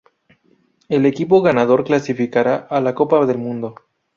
El equipo ganador clasificará a la Copa del Mundo.